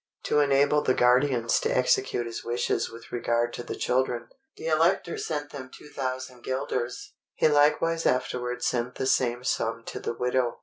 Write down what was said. To enable the guardians to execute his wishes with regard to the children, the Elector sent them 2000 guilders. He likewise afterwards sent the same sum to the widow.